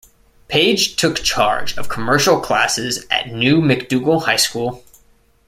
Page took charge of Commercial Classes at new McDougall High School.